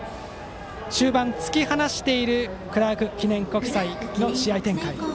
終盤、突き放しているクラーク記念国際の試合展開。